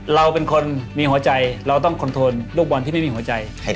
เราเป็นคนมีหัวใจเราต้องคอนโทนลูกบอลที่ไม่มีหัวใจ